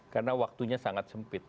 karena waktunya sangat sempit